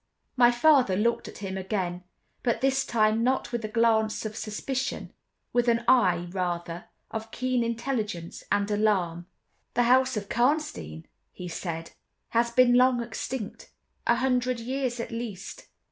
My father looked at him again, but this time not with a glance of suspicion—with an eye, rather, of keen intelligence and alarm. "The house of Karnstein," he said, "has been long extinct: a hundred years at least.